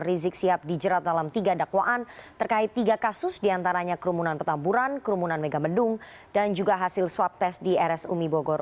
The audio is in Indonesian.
rizik sihab dijerat dalam tiga dakwaan terkait tiga kasus diantaranya kerumunan petamburan kerumunan megamendung dan juga hasil swab tes di rs umi bogor